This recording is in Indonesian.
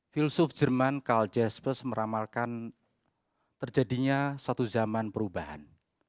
filsuf jerman kaljas plus meramalkan terjadinya satu zaman perubahan